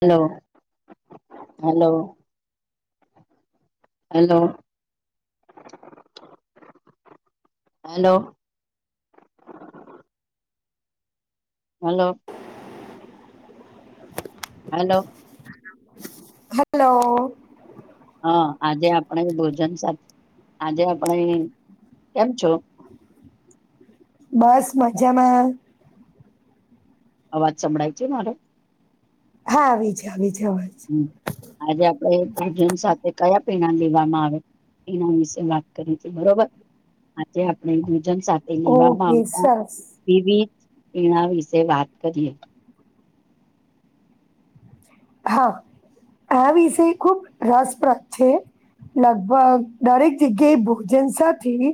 હાલો હાલો hello. Hello. હાલો. હાલો. Hello. હ આજે આપણે ભોજન સાથે આજે આપણે કેમ છો? બસ મજામાં અવાજ સંભળાય છે મારો હા આવી છે આવી છે. અવાજ હમ્મ આજે આપ ણે ભોજન સાથે કયા પીણા લેવામાં આવે એના વિશે વાત કરીશું બરોબર આજે આપણે ભોજન સાથે લેવામાં ઓકે આવતા સરસ વિવિધ પીણા વિશે વાત કરીએ હા આ વિષય ખુબ રસપ્રદ છે. લગભગ દરેક જગ્યાએ ભોજન સાથેની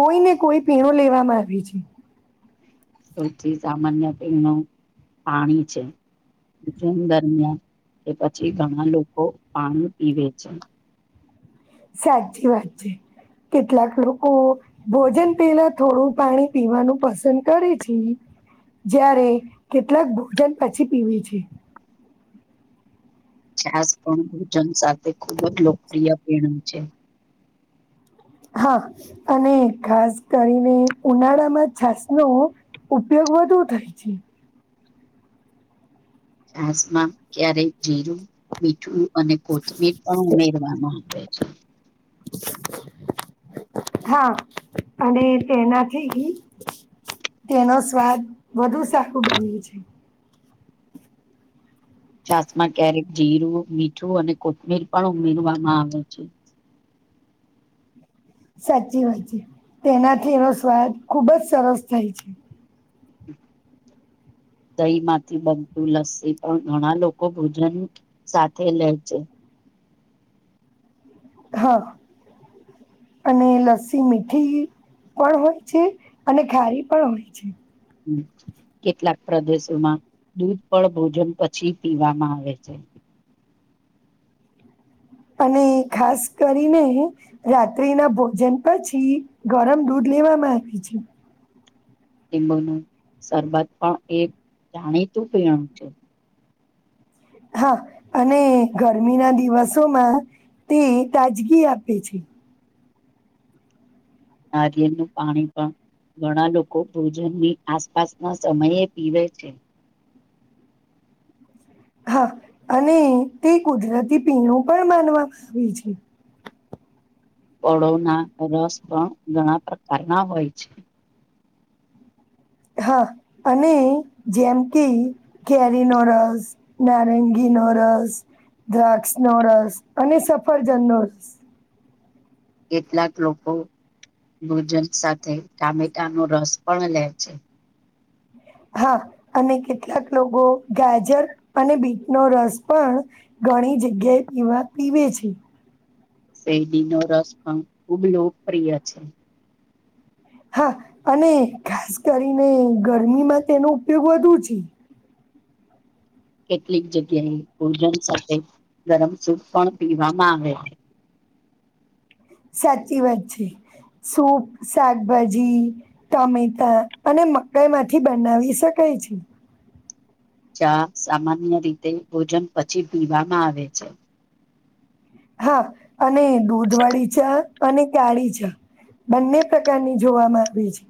કોઈને કોઈ પીણો લેવામાં આવે છે. સૌથી સામાન્ય પીણું પાણી છે. જેન દરમિયાન કે પછી ઘણા લોકો પાણી પીવે છે. સાચી વાત છે. કેટલાક લોકો ભોજન પહેલા થોડું પાણી પીવાનું પસંદ કરે છે. જ્યારે કેટલાક ભોજન પછી પીવે છે. છાસ પણ ભોજન સાથે ખૂબ જ લોકપ્રિય પીણું છે. હા અને ખાસ કરીને ઉનાળામાં છાસ નો ઉપયોગ વધુ થાય છે. છાસમાં ક્યારેક જીરું, મીઠું અને કોથમીર પણ ઉમેરવાનું લે છે. હા, અને તેનાથી તેનો સ્વાદ વધુ સારું બન્યું છે. છાસમાં ક્યારેક જીરું, મીઠું અને કોથમીર પણ ઉમેરવામાં આવે છે. સાચી વાત છે. તેનાથી એનો રસસ્વાદ ખુબ જ સરસ થાય છે. [unintelligible] દહી માંથી બનતું લસ્સી પણ ઘણા લોકો ભોજન સાથે લે છે. હા અને લસ્સી મીઠી પણ હોય છે, અને ખારી પણ હોય છે. હમ્મ. કેટલાક પ્રદેશોમાં દૂધ પણ ભોજન પછી પીવામાં આવે છે. અને ખાસ કરીને રાત્રિ ના ભોજન પછી ગરમ દૂધ દેવામાં આપી છે. [unintelligible] શરબત પણ એ જાણીતું પીણું છે. હા, અને ગરમી ના દિવસોમાં તે તાજગી આપે છે. નારિયેળનું પાણી પણ. ઘણા લોકો ભોજનની આસપાસના સમયે પીવે છે. હા, અને તે કુદરતી પીણું પણ માનવા આવે છે. ફળોના રસ પણ ઘણા પ્રકારના હોય છે. હા, અને જેમ કે કેરીનો રસ, નારંગી નો રસ, દ્રાક્ષ નો રસ અને સફરજન નો રસ. કેટલાક લોકો ભોજન સાથે ટામેટાનો રસ પણ લે છે. હા, અને કેટલાક લોકો ગાજર અને બીટ નો રસ પણ ઘણી જગ્યાએ પીવા પીવે છે. શેરડીનો રસ પણ ખૂબ લોકપ્રિય છે. હા, અને ખાસ કરીને ગરમીમાં તેનો ઉપયોગ વધુ છે. કેટલીક જગ્યાએ ભોજન સાથે ગરમ સૂપ પણ પીવામાં આવે છે. સાચી વાત છે. સૂપ, શાકભાજી, ટમેટા અને મકાઈ માંથી બનાવી શકાય. થાય છે. ચા સામાન્ય રીતે ભોજન પછી પીવામાં આવે છે. હા, અને દૂધ વાળી ચા. અને કાળી ચા બંને પ્રકારની જોવામાં આવી છે.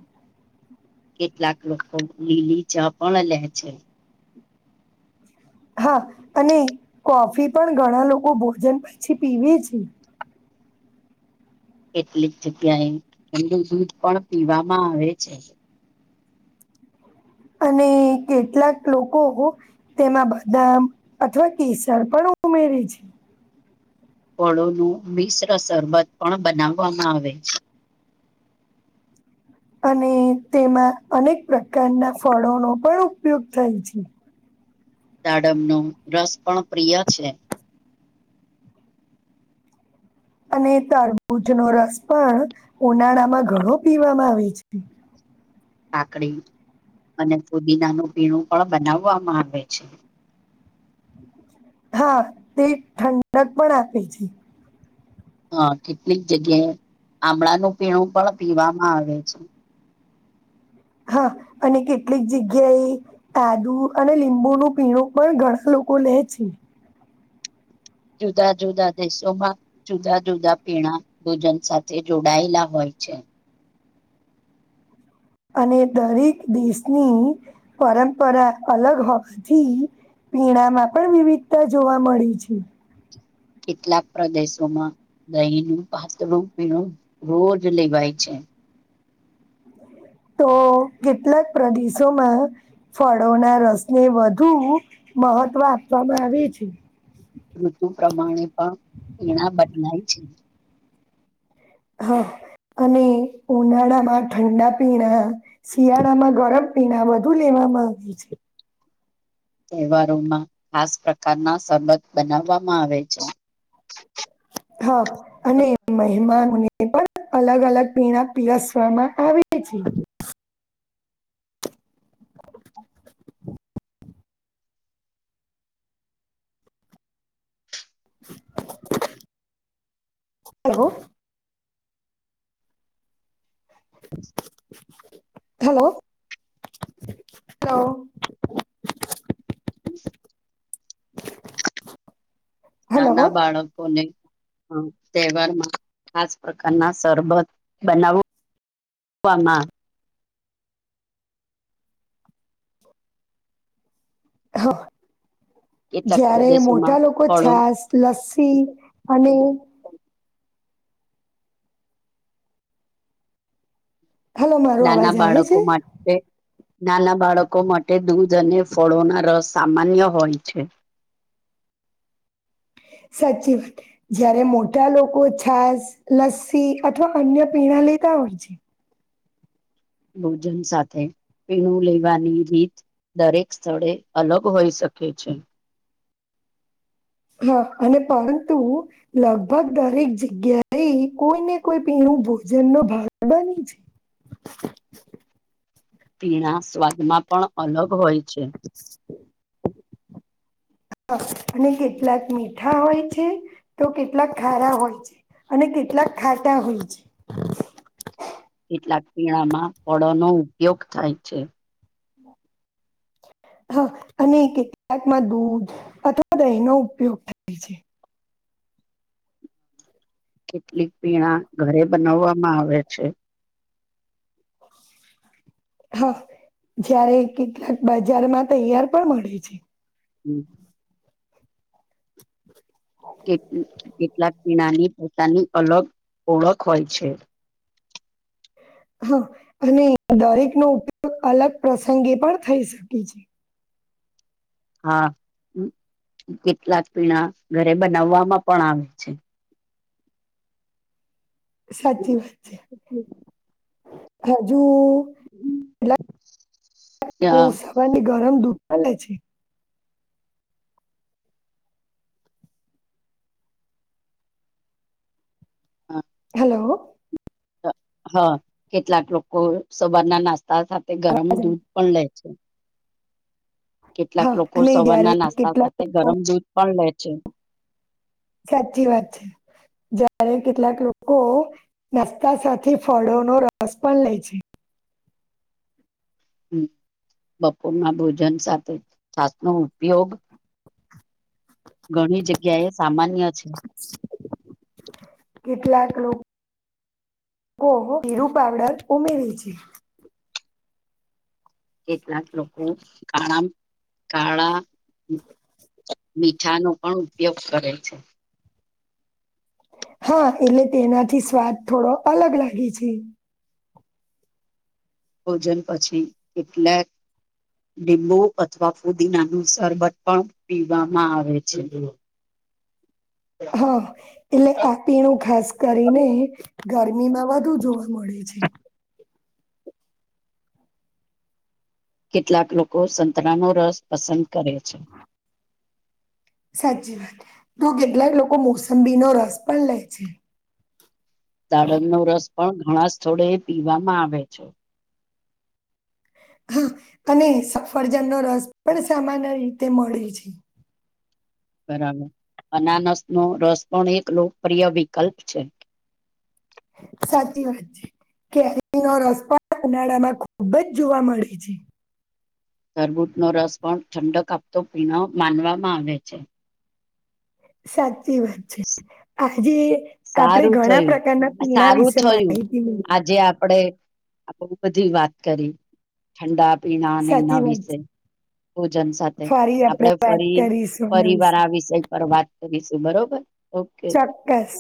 કેટલાક લોકો લીલી ચા પણ લે છે. હા, અને કોફી પણ ઘણા લોકો ભોજન પછી પીવે છે. કેટલીક જગ્યાએ એથું દૂધ પણ પીવામાં આવે છે. અને કેટલાક લોકોઓ તેમાં બદામ અથવા કેસર પણ ઊમેરે છે. ફળોનું મિશ્ર શરબત પણ બનાવવામાં આવે છે. [unintelligible] અને તેમાં અનેક પ્રકારના ફળોનો પણ ઉપયોગ થાય છે. દાડમનો રસ પણ પ્રિય છે. અને તરબૂજનો રસ પણ ઉનાળામાં ઘણો પીવામાં આવે છે. કાકડી અને ફુદીનાનું પીણું પણ બનાવવામાં આવે છે. હા, તે ઠંડક પણ આપે છે. હા, કેટલીક જગ્યાએ આમળાનું પીણું પણ પીવામાં આવે છે. હા, અને કેટલીક જગ્યાએ આદુ અને લીંબુ નું પીણું પણ ઘણા લોકો કુલ એ છે જુદા જુદા દેશોમાં જુદા જુદા પીણા ભોજન સાથે જોડાયેલા હોય છે અને દરેક દેશની પરંપરા અલગ હોવાથી પીણામાં પણ વિવિધતા જોવા મળી છે કેટલાક પ્રદેશોમાં દહીનું પાતળું પીણું રોજ લેવાય છે તો કેટલાક પ્રદેશોમાં ફળોના રસને વધુ મહત્વ આપવામાં આવી છે ઋતુ પ્રમાણે પણ પીણા બદલાય છે હા અને ઉનાળામાં ઠંડા પીણા શિયાળામાં ગરમ પીણા વધુ લેવા આમાં આવે છે તહેવારોમાં ખાસ પ્રકારના શરબત બનાવવામાં આવે છે હા અને મહેમાન અને પણ અલગ અલગ પીણા પીરસવામાં આવે છે હલો હલો તો હમ હલો નાના બાળકોને તહેવારમાં આ જ પ્રકારના શરબત બનાવું કમાં હા કેટલાક જયારે પ્રદેશોમાં મોટા લોકો ફળો છાસ, લસ્સી અને હલો મારો અવાજ નાના આવે બાળકો છે માટે નાના બાળકો માટે દૂધ અને ફળોના રસ સામાન્ય હોય છે [unintelligible] સાચી વાત જયારે મોટા લોકો છાસ લસ્સી અથવા અન્ય પીણા લેતા હોય છે ભોજન સાથે પીણું લેવાની રીત દરેક સ્થળે અલગ હોઈ શકે છે હા અને પરંતુ લગભગ દરેક જગ્યાએ કોઈને કોઈ પીણું હું ભોજન નો ભાગ બની છે પીણા સ્વાદમાં પણ અલગ હોય છે [unintelligible] અને કેટલાક મીઠા હોય છે તો કેટલાક ખારા હોય છે અને કેટલાક ખાટા હો છે [unintelligible] કેટલાક પીણામાં ફળોનો ઉપયોગ થાય છે બ [unintelligible] હ [unintelligible] હા અને કેટલાકમાં દૂધ અથવા દહીનો ઉપયોગ થાય છે કેટલીક પીણા ઘરે બનાવવામાં આવે છે [unintelligible] હા જારે કેટલાક બજારમાં તૈયાર પણ મળે છે હમ કેટલાક પીણાની પોતાની અલગ ઓળખ હોય છે [unintelligible] હવ અને દરેકનો ઉપયોગ અલગ પ્રસંગે પણ થઈ શકે છે હા હ કેટલાક પીણા ઘરે બનાવવામાં પણ આવે છે સાચી વાત છે હજુ હમ [inaudible] કેટલાક લોકો સવારની ગરમ દૂધ પણ લે છે હેલો હા કેટલાક લોકો સવારના નાસ્તા સાથે ગરમ અવાજ આવે? દૂધ પણ લે છે કેટલાક હા લોકો અને જયારે સવારના નાસ્તા કેટલાક સાથે લોકો ગરમ દૂધ પણ લે છે સાચી વાત છે ત્યારે કેટલાક લોકો નાસ્તા સાથે ફળો ન રસ પણ લે છે હ બપોરના ભોજન સાથે છાસ નો ઉપયોગ ઘણી જગ્યા એ સામાન્ય છે કેટલાક લોકો ઓ હો હીરુ પાવડર ઉમેરે છે કેટલાક લોકો કાળા કાળા મીઠાનો પણ ઉપયોગ કરે છે હા એટલે તેનાથી સ્વાદ થોડો અલગ લાગે છે ભોજન પછી કેટલાક લીંબુ અથવા ફુદીનાનું શરબત પણ પીવામાં આવે છે હા એટલે આપીણું ખાસ કરીને ગરમી માં વધુ જોવા મળે છે કેટલાક લોકો સંતરાનો રસ પસંદ કરે છે સાચી વાત તો કેટલાક લોકો મોસંબીનો રસ પણ લે છે દાડમ નો રસ પણ ઘણા સ્થળે પીવામાં આવે છે હા અને સફરજન નો રસ પણ સામાન્ય રીતે મળે છે બરાબર અનાનસ નો રસ પણ એક લોકપ્રિય વિકલ્પ છે સાચી વાત છે કે રસ પણ ઉનાળામાં ખુબ જ જોવા મળે છે તરબૂચનો રસ પણ ઠંડક આપતો પીણ માનવામાં આવે છે સાચી વાત છે આજે આપણે સારું ઘણા થયું પ્રકારના પીણા વિશે માહિતી મેળવી આપ બધી વાત કરી ઠંડા પીણા સાચી એના વાત વિશે છે. ભોજન સાથે ફરી આપડે વાત ફરી કરીશું એના ફિવાર વિશે. આ વિષય પર વાત કરીશ તું બરોબર ઓકે ચોક્કસ